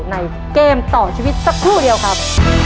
ในเกมต่อชีวิตสักครู่เดียวครับ